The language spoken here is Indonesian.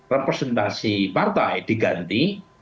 representasi partai diganti